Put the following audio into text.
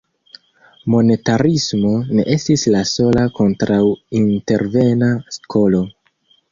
Monetarismo ne estis la sola kontraŭintervena skolo.